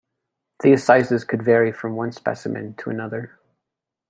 These sizes could vary from one specimen to another.